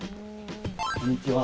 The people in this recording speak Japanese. こんにちは。